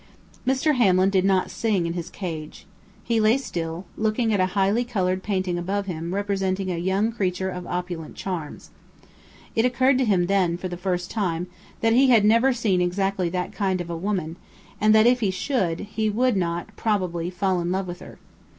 Mr. Hamlin did not sing in his cage. He lay still, looking at a highly colored painting above him representing a young creature of opulent charms. It occurred to him then, for the first time, that he had never seen exactly that kind of a woman, and that if he should, he would not, probably, fall in love with her.